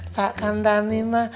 takkan dan nina